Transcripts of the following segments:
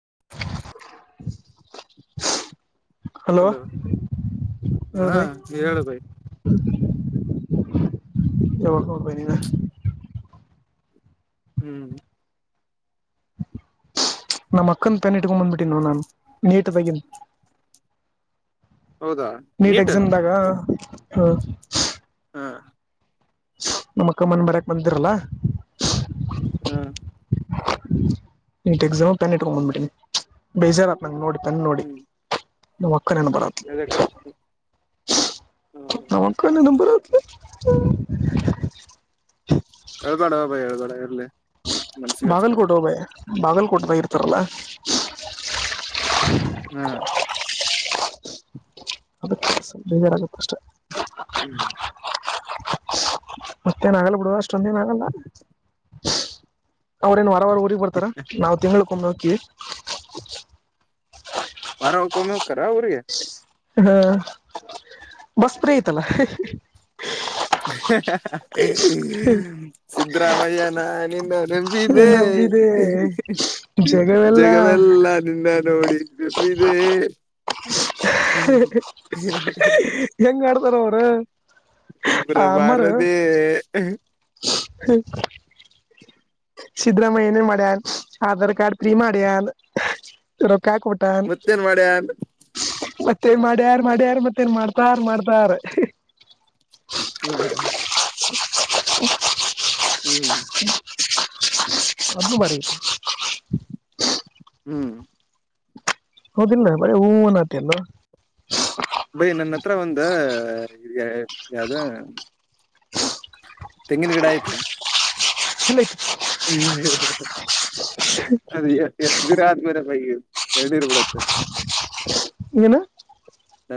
[unintelligible] [inaudible] Hello, ಹೇಕು, ಹಾ bye. ಹೇಳು ಭೈ [unintelligible] ಕೇಳಿಕೊಂಡು, ಬಂದಿಧಾನ? [unintelligible] ಹ್ಮ್.. [inaudible] ನಮ್ಮ್, ಅಕ್ಕನ್, ಪೆನ್, ಇಟ್ಕೊಂಡ್, ಬಂದ್ಬಿಟ್ಟಿ ನ ನಾನ್, ನೀಟ್ದಾಗಿ? [inaudible] ನೀಟ್, ಎಕ್ಸಾಮ್ದಾಗ, ಹ. [unintelligible] ಹಾ ನಮ್ಮ, ಅಕ್ಕಮ್ಮನ್, ಬಾರಿಯೋಕೆ, ಬಂದಿರಲ್ಲ? [inaudible] ಹ್ಮ.. [inaudible] ನೀಟ್,, ಎಕ್ಸಾಮ್, ಪೆನ್, ಇಟ್ಕೊಂಡ್ ಬಂದ್ಬಿಟ್ಟೀನಿ! ಬೇಜಾರು, ಹಾಗುತ್ತೆ, ನೋಡಿ. [inaudible] ತನ್, ನೋಡಿ?, ಹ್ಮ್ ನಮ್, ಅಕ್ಕ? [inaudible] ಕರುಣೇಬರುತ, ಎದಕ್ಕ ನಮ್ಮ ಅಕ್ಕನ, ನಂಬರ್.. [unintelligible] ಹ್ಮ.. [unintelligible] ಯಾರುಲೇ? [inaudible] ಬಾಗಲ್ಕೋಟ್, ಓ, ಬಾಯ, ಬಾಗಲ್ಕೋಟದ ಇರ್ತಾರಲ್ಲ? [unintelligible] ಹ್ಮ.. [inaudible] ಅದು, ಸ್ವಲ್ಪ ಬೇಜಾರು, ಆಗುತ್ತೆ, ಅಷ್ಟೇ? [inaudible] ಹ್ಮ [inaudible] ಮತ್ತೇನ ಆಗಲ್ ಬಿಡುವ ಅಷ್ಟೊಂದ ಏನ ಆಗಲ್ಲ. ಅವ್ರೇನು ವಾರ ವಾರ ಊರಿಗೆ ಬರ್ತಾರ ನಾವವು ತಿಂಳಕೊಂಬ್ ಹೋಗ್ತೀವಿ. ವಾರಕ್ಕೊಮ್ಮೆ ಹೋಗ್ತಾರೆ ಊರಿಗೆ. ಹಾ ಬಸ್ಪ್ರ ಐತಲ್ಲ [unintelligible] ಸಿದ್ದರಾಮಯ್ಯ ನಾನಿನ್ನ ನಂಬಿದೆ. ನಂಬಿದೆ [unintelligible] ಜಗವೆಲ್ಲಾ ಜಗವೆಲ್ಲ ನಿನ್ನ ನೋಡಿಂಬದೆ. ಹ್ಮ್ [unintelligible] ಹೆಂಗ. ಬರಬರ ಆ ಅಮ್ಮಾರ ಪ್ರಭಾರದೆ [inaudible] ಹ್ಮ ಸಿದಿದ್ದ್ರಾಮಯ್ಯೆ ಮಾಡ್ಯ ಆಧಾರ್ ಕಾರ್ಡ್ ಪ್ರೀ ಮಾಡೆಯ [unintelligible] ಮತ್ತೇನ್ ಮಾಡ್ಯ ಮತ್ತೆನ್ ಮಾಡ್ಯ ಯಾರ ಮಾಡ್ಯ ಯಾರ ಮತ್ತೇನ್ ಮಾಡ್ತಾರ ಮಾಡ್ತಾರ. ಹ [inaudible] ಹ [unintelligible] ಹ್ಮ್ [unintelligible] ಅದನು ಮಾಡಿನ. ಹ್ಮ್ [inaudible] ಹೋದಿಲ್ಲ ಬರೀ ಹೂವನ್ ಆತ ಅಲ್ಲ ಬೈ ನನ್ನ ಹತ್ರ ಒಂದ ಇದಗ ಯಾವ್ದ ತೆಂಗಿನ ಗಿಡ ಐತಿ. ಹ [unintelligible] ಅದು ಎಷ್ಟ [unintelligible] [unintelligible] ರ್ಬಿಡತ್ತೆ. ಏನು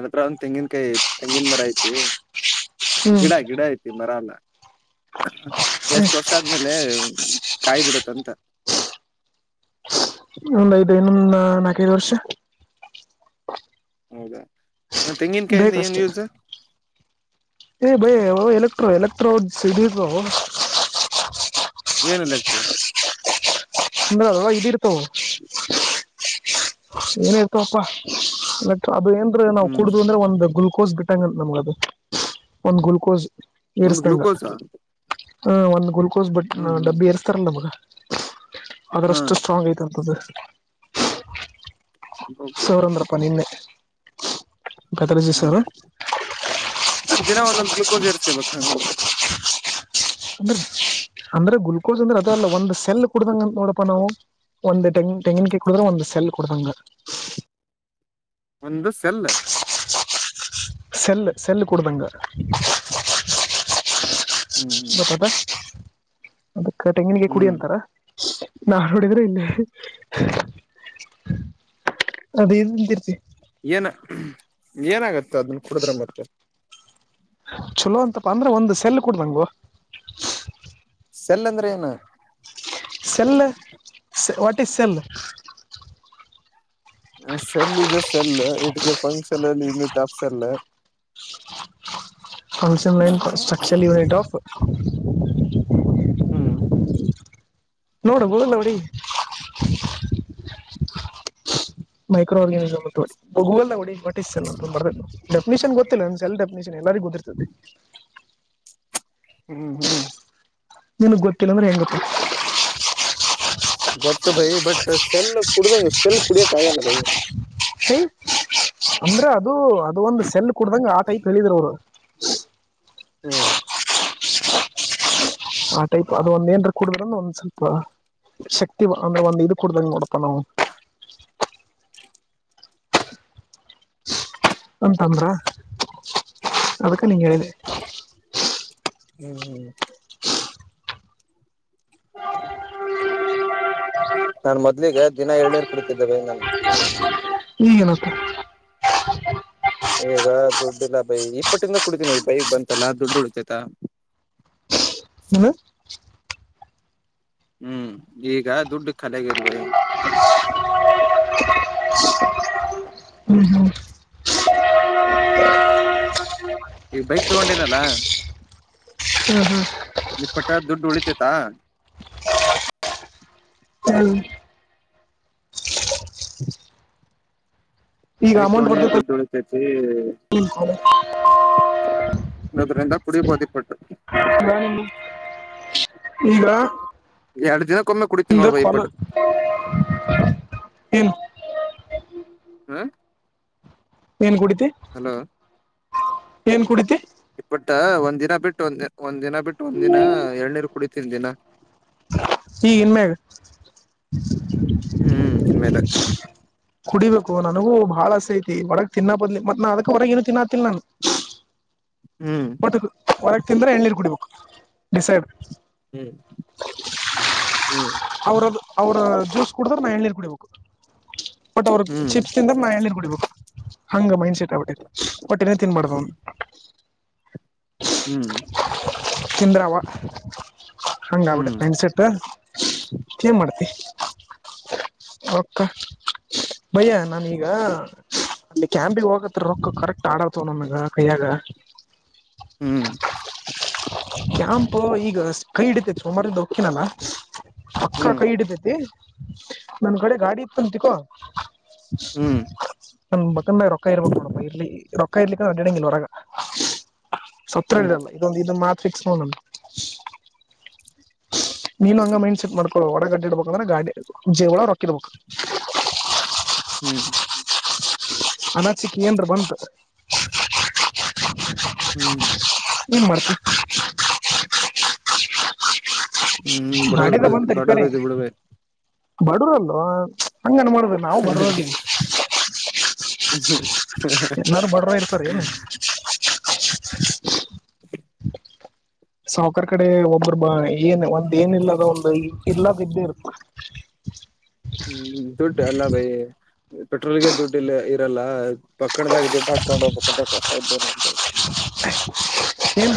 ನ ಹತ್ರ ಒಂದು ತೆಂಗಿನನ್ಕಾಯಿ ಐತಿ ತೆಂಗಿನ ಮರ ಐತಿ ಹ್ಮ್ ಗಿಡ ಗಿಡ ಐತಿ ಮರ ಅಲ್ಲ. ಎಷ್ಟ ವರ್ಷ ಆದ್ಮೇಲೆ ಕಾಯಿ ಬಿಡತ್ತಂತ. ಒಂದ ಐದು ಇನ್ನೊಂದ ನಾಕೈದು ವರ್ಷ. ಹೌದಾ ನ ತೆಂಗಿನಕಾಯಿಂದ ಬೇಕಷ್ಟ ಏನ್ ಯೂಸ್. ಏ ಭಯ ಎಲೆಕ್ಟ್ರೋ ಎಲೆಕ್ಟ್ರೋ ಸಿ. [unintelligible] ಏನ್ ಇಲೆಕ್ಟ್ರ. ತ್ರ ಅಲ್ವಾ ಇದಿ ಇರ್ತವ. ಏನಾಯ್ತು ಅಪ್ಪಾ ಎತ್ತು. ಅ ಏಂದ್ರ ನಾವು ಹ್ಮ್ ಕುಡುದು ಅಂದ್ರೆ ಒಂದ್ ಗ್ಲುಕೋಸ್ ಬಿಟ್ಟಂಗ ನಮಗ ಅದು ಒಂದ್ ಗ್ಲುಕೋಸ್. ಒಂದು ಗ್ಲುೂಕೋಸಾ. ಹಾ ಒಂದು ಗ್ಲುಕೋಸ್ ಬಟ್ ಡಬ್ಬಿ ಇರ್ತಾರಲ್ಲ ಮಗ. ಹಾ ಅದ್ರಷ್ಟು ಸ್ಟ್ರಾಂಗ್ ಐತಂತದ. ಹ್ಮ್ ಸೌರಂದ್ರಪ್ಪ ನಿನ್ನೆ. ಕತರೆಜ ಸಾರ ಆ, [inaudible] ದಿನ ಒಂದೊಂದು ಗ್ಲುಕೋಸ್ ಏರಿಸ್ಕೇಬೇಕ್ ಹಂಗ್ ಅಂದ್ರೆ. [inaudible] ಅಂದ್ರೆ ಅಂದ್ರೆ ಗ್ಲುಕೋಸ್ ಅಂದ್ರೆ ಅದ ಅಲ್ಲ ಒಂದ್ ಸೆಲ್ ಕುಡ್ದಂಗ ನೋಡಪಾ ನಾವು ಒಂದು ತೆಂಗ ತೆಂಗಿನಕಾಯಿ ಕುಡುದ್ರ ಒಂದ್ ಸೆಲ್ ಕುಡ್ದಂಗ. ಒಂದು ಸೆಲ್ಲ. ಸೆಲ್ ಸೆಲ್ಲ ಕೊಡ್ತಂಗ. ಹ್ಮ್ ಹ್ಮ್ ಗಟದ [unintelligible] ಅದಕ್ಕ ತೆಂಗಣಿಗೆ ಕುಡಿ ಹ್ಮ್ ಅಂತಾರ ನಾ ನೋಡಿದ್ರೆ ಇಲ್ಲಿ. ಅದ ಏನುತೀರ್ತಿ. ಏನ ಏನಾಗತ್ತೆ ಅದನ್ನ ಕುಡಿದ್ರೆ ಮತ್ತೆ. ಚಲೋ ಅಂತಪ್ಪ ಅಂದ್ರೆ ಒಂದು ಸೆಲ್ ಕುಡ್ಡಂಗೊ ನಂಗು. ಸೆಲ್ಲಂದ್ರೆ ಏನು cell what is cell. Cell is a cell it is a function ಅಲ್ಲಿ unit of cell. Function [unintelligible] unit of ಹ್ಮು ನೋಡು ಗೂಗಲ್ ಹೊಡಿ [inaudible] ಮೈಕ್ರೋ ಆರ್ಗಾನಿಸಮ್ ಅಂತ್ ಹೊಡಿ ಗೂಗಲ್ದಾಗ್ ಹೊಡಿ ವಾಟ್ ಇಜ್ ಸೆಲ್ಲ್ ಅಂತ್ ಬಡದರೆ ನೋಡ್. ಡೆಫಿನಿಷನ್ ಗೊತ್ತಿಲ್ಲ ಒಂದ್ ಸೆಲ್ಲ್ ಡೆಫಿನಿಷನ್ ಎಲ್ಲರಿಗೂ ಗೊತ್ತಿರತೈತಿ. ಹ್ಮ್ ಹ್ಮ್ ನಿನ್ಗ್ ಗೊತ್ತಿಲ್ಲಂದ್ರೆ ಹೆಂಗ ಗೊತ್ತಿಲ್ಲ. ಗೊತ್ತು ಬಾಯಿ ಬಟ್ ಸೆಲ್ಲ್ ಕುಡುದಂಗ ಸೆಲ್ಲ್ ಕುಡಿಯಾಕ್ ಆಗಲ್ಲ ಬಾಯಿ. ಸೆಲ್ಲ್ ಅಂದ್ರೆ ಅದು ಅದು ಒಂದು ಸೆಲ್ಲ್ ಕುಡ್ದಂಗ ಆ ಟೈಪ್ ಹೇಳಿದ್ರ ಅವರು. [inaudible] ಹ್ಮು ಆ ಟೈಪ್ ಅದು ಒಂದ್ ಏನ್ರ ಕುಡುದ್ರಂದ ಒಂದ್ ಸ್ವಲ್ಪ ಶಕ್ತಿ ಅಂದ್ರೆ ಒಂದ್ ಇದು ಕೊಡ್ದಂಗ ನೋಡಪ್ಪಾ ನಾವು [inaudible] ಅಂತಂದ್ರ ಅದಕ್ಕ ನಿಂಗ್ ಹೇಳಿದೆೆ. ಹ್ಮು ಹ್ಮು. [unintelligible] ನಾನ್ ಮೊದ್ಲಿಗೆ ದಿನ ಏಳ್ನಿರ್ ಕುಡತಿದ್ದೆ ಬಯ್ಯಾ ನಾನ್. ಈಗ್ ಏನ್ ಆಯ್ತ್. ಈಗ ದುಡ್ಡಿಲ್ಲ ಬಯಿ ಇಪ್ಪಟ್ಟಿಂದ ಕುಡಿತೀನಿ ಈಗ ಬಯಿ ಬಂತಲ್ಲ ದುಡ್ಡು ಉಳತೈತ. [inaudible] ಏನು ಹ್ಮು ಈಗ್ ದುಡ್ಡ ಖಾಲ್ಯಾಗದ್ ಬಯಿ. [unintelligible] ಈಗ್ ಬೈಕ್ ತಗೊಂಡೇನಲ್ಲ ನಿಪ್ಪಟ್ಟ ದುಡ್ಡು ಉಳಿತೇತಾ. ಈಗ ಬೈಕ್ ಅಮೌಂಟ್ ತಗೊನ್ನಿ ಬರ್ತೈತ ದುಡ್ಡ್ ಉಳಿತೈತಿ. [unintelligible] ಇನ್ನೊದ್ರಿಂದ್ ಕುಡಿಬೋದ್ ಇಪ್ಪಟ್ಟ. ಈಗಾ ಯಾಡ್ ದಿನ [unintelligible] ಆ ಏನ್ ಕುಡಿತಿ ಏನ್ ಕುಡಿತಿ. ಬಟ್ ಒಂದಿನ ಬಿಟ್ಟು ಒಂದ ಒಂದ್ ದಿನ ಬಿಟ್ಟು ಒಂದಿನ ಎಳ್ನೀರ್ ಕುಡಿತಿನ್ ದಿನ. ಈ ಇನ್ನಮ್ಯಾಗ್. ಹ್ಮ್ ಇನ್ಮೇಲೆ ಕುಡಿಬೇ ಕು ನನಗೂ ಬಾಳ ಆಸೆ ಐತಿ ಹೊರಗ ತಿನ್ನ ಬದ್ಲಿ ಮತ್ ನಾ ಅದಕ್ಕ ಹೊರಗ ಏನು ತಿನ್ನಾತ್ತಿಲ್ಲ ನಾನು. ಹ್ಮ್ ಒಟ್ಟ ಹೊರಗೆ ತಿಂದ್ರೆ ಎಳ್ನಿರ್ ಕುಡಿಬೇಕ ಡಿಸೈಡ್. ಹ್ಮ್ ಹ್ಮ್ ಅವರ ಅವರ್ದ್ ಅವರ ಅ ಜ್ಯೂಸ್ ಕುಡಿದ್ರ ನಾ ಎಳ್ಳಿರ್ ಕುಡಿಬೇಕು ಬಟ್ ಅವ್ರಗ್ ಹ್ಮ್ ಚಿಪ್ಸ್ ತಿಂದ್ರ ನಾ ಎಳ್ನಿರ್ ಕುಡಿಬೇಕು. ಹಂಗ ಮೈಂಡ್ಸೆಟ್ ಆಗ್ಬಿಟ್ಟೈತಿ ಒಟ್ಟ ಎನೇ ತಿನ್ಬಾರ್ದು. ಹ್ಮು ತಿಂದ್ರ ವಾ. ಹಂಗ್ ಹ್ಮ್ ಆಗ್ಬಿಟ್ಟತ್ತಿ ಮೈಂಡ್ಸೆಟ್ ಏನ್ ಮಾಡ್ತಿ. ರೊಕ್ಕ ಬಯ್ಯ ನಾನೀಗ ಅಲ್ಲಿ ಕ್ಯಾಂಪಿಗೆ ಹೋಗತ್ರ ರೊಕ್ಕ ಕರೆಕ್ಟ್ ಆಡತಾವ್ ನನ್ಗ ಕೈಯಾಗ. ಹ್ಮ್ ಕ್ಯಾಂಪ್ ಈಗ ಕೈ ಹಿಡಿತ ಸೋಮವಾರಿಂದ ಹೊಕ್ಕಿನಲ್ಲ. ಪಕ್ಕ ಹ್ಮ್ ಕೈ ಹಿಡಿತೇತಿ ನನ್ ಕಡೆ ಗಾಡಿ ಇತ್ತಂತತಿಕೋ ಹ್ಮ್ ನನ್ ಬಕನಾಗ ರೊಕ್ಕ ಇರ್ಬೇಕ್ ನೋಡಪ್ಪಾ ಇರ್ಲಿ ರೊಕ್ಕ ಇರ್ಲಿಕ್ಕ ಅಡ್ಡಂಗಿಲ್ ಹೊರಗ. ಸತ್ರ ಹ್ಮ್ ಇರಲ್ಲ ಇದೊಂದು ಇದು ಮಾತ್ ಫಿಕ್ಸ್ ನೋಡಣ. ನೀನು ನನ್ ಮೈಂಡ್ ಸೆಟ್ ಮಾಡ್ ಒಡೆ ಗಡ್ಡಿ ಇಡ್ಬೇಕ ಅಂದ್ರೆ ಗಾಡಿ ಜೇಬೋಳಗ್ ರೊಕ್ಕ ಇಡ್ಬೇಕ್. ಹ್ಮ್ [unintelligible] ಅನಚಿಕೇಂದ್ರ ಬಂತು [unintelligible] ಹ್ಮ್ ಮಾ [unintelligible] ಹ್ಮ್ ಬಡವರು ಬಿಡ ಬಡವರು ಇದು ಬಿಡ್ಬೇ ಬಡ್ರಲ್ಲೋ ಹಂಗಣ ಮಾಡುದ ನಾವು ಬಡವ್ರದೀವ್. [unintelligible] [unintelligible] ಎಲ್ಲಾರು [inaudible] ಬಡವ್ರ್ ಇರ್ತಾರ ಏನು [unintelligible] ಸಾವಕರ್ ಕಡೆ ಒಬ್ಬೊರ್ಬ ಏನ್ ಒಂದ ಏನ ಇಲ್ಲದ ಒಂದು ಇಲ್ಲದಬೇದ್ ಇದ್ದೇ ಇರತ್ತ. ಹ್ಮ್ ದುಡ್ಡು ಅಲ್ಲ ಭೈ ಪೆಟ್ರೋಲ್ಗೆ ದುಡ್ಡು ಇಲ್ಲ ಇರಲ್ಲ. ಪಕ್ಕಣದಾಗ ದುಡ್ಡು ಹಾಕೊಂಡು ಹೋಗ್ಬೇಕಂತ ಕಷ್ಟ ಇದ್ದು ನನ್ ಬೈ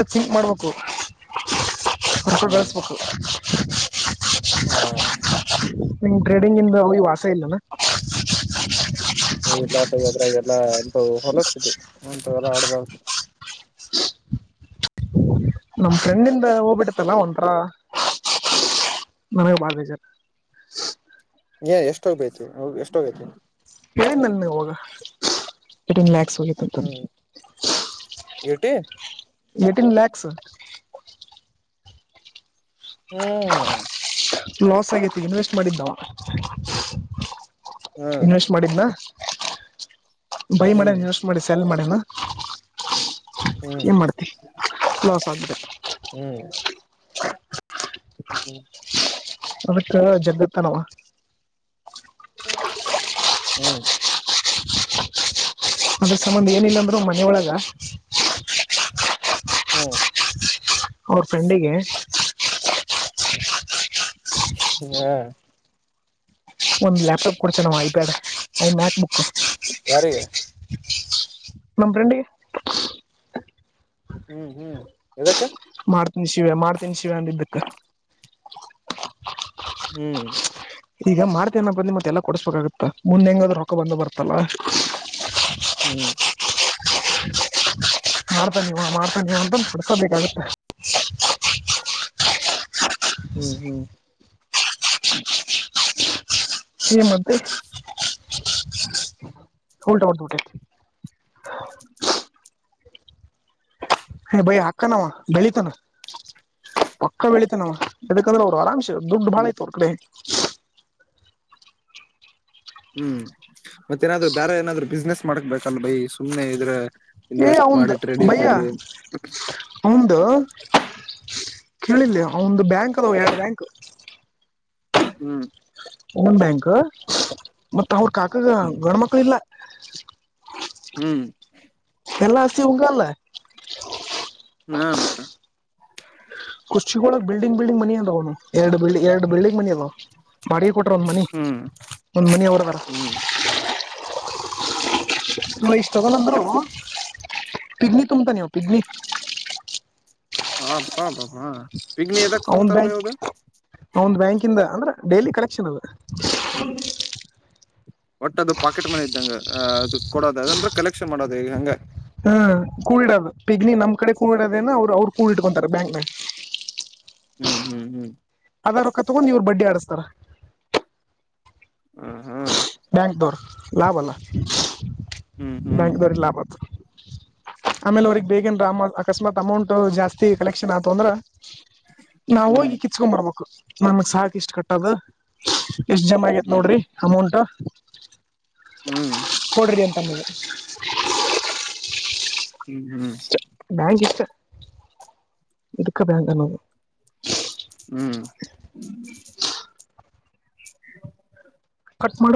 [unintelligible] ಸಿಂಕ್ ಮಾಡ್ಬೇಕು ರೋಕ್ಕ ಹ್ಮ್ ಬೆಳಸ್ಬೇಕು. ಹಾ ನಿಂಗ ಟ್ರೇಡಿಂಗ್ ಇಂದ ಹೋಗಿ ವಾಸ ಇಲ್ಲನಾ? [unintelligible] ಏಯ್ ಇಲ್ಲಾಪ ಅದ್ರಗೆಲ್ಲ ಇಂತವ್ ಹೊಲಸಿದು ಅಂತವೆಲ್ಲ ಆಡು ರ ನಮ್ ಫ್ರೆಂಡ್ ಇಂದ ಹೋಗ್ಬಿಟ್ಟ ಇಲ್ಲ ಒಂಥರ ಮನೆಗೆ ಬಾಗಜಾರ ಏ ಎಷ್ಟೋ ಬೈತಿ ಹೋಗ ಎಷ್ಟೋಗೈತಿ ಹೇನ್ ನನ್ ಮೆಗೆ ಹೋಗ ಇಟಿನ್ ಲ್ಯಾಕ್ಸ್ ಹೋಗಿತ್ತುಂತ ಎಟಿ ಏಟೀನ್ ಲಾಕ್ಸ್ ಹ್ಮ್ ಲಾಸ್ ಆಗೇತಿ ಇನ್ವೆಸ್ಟ್ ಮಾಡಿದ್ನಾವ [unintelligible] ಹ್ಮ್ ಇನ್ವೆಸ್ಟ್ ಮಾಡಿದ್ನ ಬೈ ಮಾಡೇ ಹ್ಮ್ ಎಷ್ಟ್ ಮಾಡಿ ಸೆಲ್ ಮಾಡೇನ ಹ್ಮ್ ಏನ್ ಮಾಡ್ತಿವಿ ಲಾಸ್ ಆಗ್ಬಿಟೈತೆ ಹ್ಮ್ ಅದಕ ಜಗ್ಗತಾನ ಅವ [unintelligible] ಹ್ಮ್ ಅಂದ್ರ ಸಂಬಂಧ ಏನಿಲ್ಲಂದ್ರರು ಮನ ಒಳಗ ಹ್ಮ ಅವ್ರ ಫ್ರೆಂಡಿಗೆ [inaudible] ಹಾ ಒಂದು ಲ್ಯಾಪ್ಟಾಪ್ ಕೊಡ್ತಾನ ಹವಾ ಐಪ್ಯಾಡ್ ಅ ಮ್ಯಾಕ್ ಬುಕ್ ಯಾರಿಗೆ ನಮ್ಮ ಫ್ರೆಂಡಿಗೆ ಹ್ಮ್ ಹ್ಮ್ [unintelligible] ಎದಕ್ಕ ಮಾಡ್ತೀನಿ ಶಿವ್ಯ ಮಾಡ್ತೀನಿ ಶಿವ್ಯ ಅಂದ ಇದಿದ್ದಕ್ಕ ಹ್ಮ್ ಈಗ ಮಾಡ್ತೇನ ಬಂದ ನಿ ಮತ್ತೆಲ್ಲ ಕೊಡಸ್ಬೇಕಾಗುತ್ತ ಮುಂದೆ ಹೆಂಗ್ರ್ ರೊಕ್ಕ ಬಂದು ಬರ್ತಲ್ಲ ಹ್ಮ್ ಮಾಡ್ತಾನ ನೀವಾ ಮಾಡ್ತಾನ ನೀವ ಅಂತ ಕುಡ್ಸೋಬೇಕಾಗತ್ತೆ ಹ್ಮ್ ಹ್ಮ್ [unintelligible] ಈ ಮತ್ತೆ ಉಲ್ಟ ಹೊಡೆದಬಿಟ್ಟೈತಿ ಏ ಬೈ ಅಕ್ಕನವ ಬೆಳಿತನ ಪಕ್ಕ ಬೆಳತನವ ಯದಕಂದ್ರೆ ಅವ್ರು ಆರಾಮ್ಶ. ದುಡ್ಡು ಭಾಳೆ ಹ್ಮ್ ತೋರ ಕಡೆ. ಹ್ಮ್ ಮತ್ತೇಏನಾದ್ರು ಬೇರೆ ಏನಾದ್ರು ಬಿಸ್ನೆಸ್ ಮಾಡ್ಕ್ಬೇಕಲ್ ಬೈ ಸುಮ್ನೆ ಇದ್ರೆ. ಏ ಅವಂದು ಬಯ್ಯ ಅವಂದು. ಕೇಳಿಲ್ಲ ಅವ ಒಂದು ಬ್ಯಾಂಕ್ ಅದ ಯಾರ ಬ್ಯಾಂಕ್. ಹ್ಮ್ ಒನ್ ಬ್ಯಾಂಕ್ ಮತ್ತ ಅವ್ರ ಕಾಕಾಗ ಗಂಡ್ಮಕ್ಕಳ ಇಲ್ಲ. ಹ್ಮ್ ಎಲ್ಲಾ ಆಸ್ತಿ ಅವಂಗ ಅಲ್ಲ [inaudible] ಹಾ ಮತ್ತ. ಕುಖರ್ಚಿಳ ಬಿಡಿಂಗ್ ಬಿಡಿಂಗ ಮನಿ ಅಂದನು ಎರಡುಲ್ ಎರಡು ಬಿಲ್ಡಿಂಗ್ ಮನ ಅಲ್ಲ. ಮಾಡಿಗೆ ಕೊಟ್ರ ಒಂದ್ ಮನಿ ಹ್ಮ್ ಒಂದ್ ಮನಿ ಅವ್ರದಾರ. ಹ್ಮ್ [inaudible] ನ ಇಷ್ಟ ತಗೊಂಡಂದ್ರು ಪಿಗ್ನಿ ತುಂಬಂತ ನೀವು ಪಿಗ್ನಿ. ಹಪ [inaudible] ಅವನ್ ಬ್ಯಾಂಕ್ ಅವನ್ ಬ್ಯಾಂಕ ಇಂದ ಅಂದ್ರ ಡೈಲಿ ಕಲೆಕ್ಷನ್ ಅದ. ಸರಿ. ಇದ್ದಂಗ ಅದ ಈಗ ಹಂಗ ಹಾ ಕೂಲ್ಡ್ ಅದು. ಪಿಗ್ನಿ ನಮ್ ಕಡೆ ಕೂಡೋದೇನ ಅವ್ರು ಅವ್ರು ಕೂ ಇಟ್ಕೊತಾರೆ ಬ್ಯಾಂಕ್ನ. ಹ್ಮ್ ಹ್ಮ್ ಹ್ಮ್. ಅದರ ಕ ತಗೊಂಡು ಇವ್ರು ಬಡ್ಡಿ ಆಡಿಸ್ತಾರ. ಹ್ಮ ಹ್ಮ್. ಬ್ಯಾಂಕ್ದವ್ರು ಲಾಭ ಅಲ್ಲ ಹ್ಮ್ ಬ್ಯಾಂಕ್ ದವರಿಗೆ ಲಾಭ. ಆಮೇಲ್ ಅವ್ರಗ್ ಬೇಗೇನ್ ಅಕಸ್ಮಾತ್ ಅಮೌಂಟ್ ಜಾಸ್ತಿ ಕಲೆಕ್ಷನ್ ಆತ ಅಂದ್ರ. ನಾವ ಹ್ಮ್ ಹೋಗಿ ಕಿತ್ಕೊಂಡ್ ಬರ್ಬೇಕು ನನ್ಗ್ ಸಾಕ ಇಷ್ಟ ಕಟ್ಟದ ಎಷ್ಟ್ ಜನ ಆಗೇತ್ ಹ್ಮ್ ನೋಡ್ರಿ. ಅಮೌಂಟ್ ಹ್ಮ್ ಕೊಡ್ರಿ ಅಂತಂದ. ಹ್ಮ್ ಹ್ಮ್ ಬ್ಯಾಂಕ್ ಇಷ್ಟೇ ಇದಕ್ಕೆ ಬ್ಯಾಂಕ ಅನ್ನೋದು. ಹ್ಮ್ [inaudible] ಕಟ್ ಮಾಡ